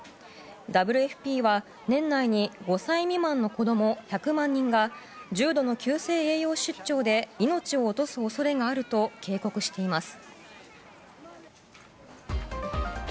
ＷＦＰは、年内に５歳未満の子供１００万人が重度の急性栄養失調で命を落とす恐れがあると警告しています。